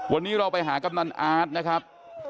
วันนี้เราไปหากำนันอาร์ตนะครับ